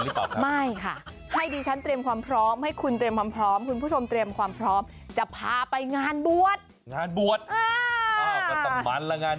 ลองห้างานบวชภาพภรรณา